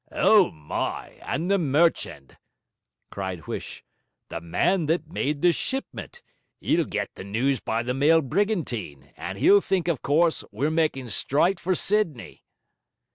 'O my, and the merchand' cried Huish; 'the man that made this shipment! He'll get the news by the mail brigantine; and he'll think of course we're making straight for Sydney.'